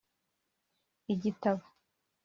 Igitabo